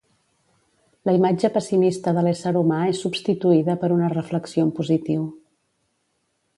La imatge pessimista de l'ésser humà és substituïda per una reflexió en positiu.